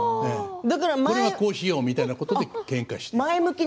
これはこうしようみたいなことでけんかして。